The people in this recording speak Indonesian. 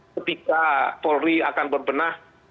ketika polri akan berbenah